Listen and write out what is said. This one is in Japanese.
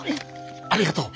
ありがとう！